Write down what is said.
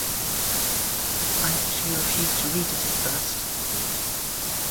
I actually refused to read it at first.